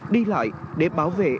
đi lại để bảo vệ